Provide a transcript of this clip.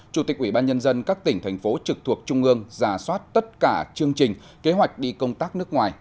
chủ tịch ủy ban nhân dân các tỉnh thành phố trực thuộc trung ương giả soát tất cả chương trình kế hoạch đi công tác nước ngoài